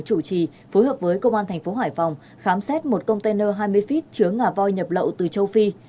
chủ trì phối hợp với công an thành phố hải phòng khám xét một container hai mươi feet chứa ngà voi nhập lậu từ châu phi